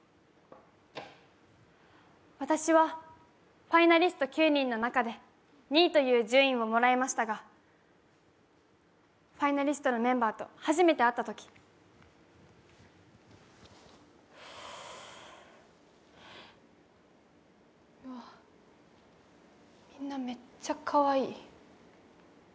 私はファイナリスト９人の中で２位という順位をもらいましたがファイナリストのメンバーと初めて会ったときみんな、めっちゃかわいい。